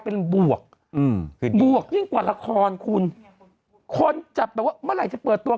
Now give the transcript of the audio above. เป็นบวกอืมบวกยิ่งกว่าละครคุณคนจับแบบว่าเมื่อไหร่จะเปิดตัว